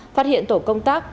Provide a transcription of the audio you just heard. phát hiện tổ công tác